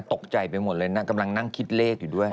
ตกใจไปหมดเลยนะกำลังนั่งคิดเลขอยู่ด้วย